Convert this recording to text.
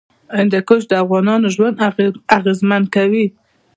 هندوکش د افغانانو ژوند اغېزمن کوي.